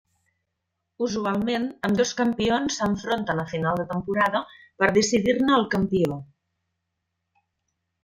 Usualment, ambdós campions s'enfronten a final de temporada per decidir-ne el campió.